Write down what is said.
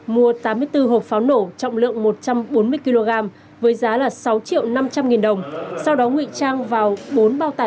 mua tám mươi bốn hộp pháo nổ trọng lượng một trăm bốn mươi kg với giá sáu năm trăm linh đồng sau đó nguyễn trang vào bốn bao tải